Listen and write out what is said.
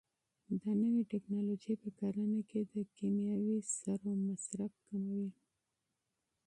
دا نوې ټیکنالوژي په کرنه کې د کیمیاوي سرو مصرف کموي.